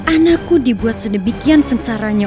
anakku dibuat sedemikian sengsaranya